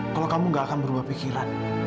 kalau kamu gak akan berubah pikiran